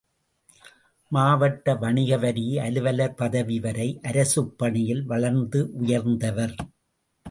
மாவட்ட வணிக வரி அலுவலர் பதவி வரை அரசுப் பணியில் வளர்ந்து உயர்ந்தவர்.